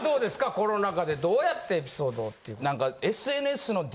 コロナ禍でどうやってエピソードを。